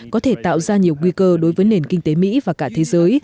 có thể tạo ra nhiều nguy cơ đối với nền kinh tế mỹ và cả thế giới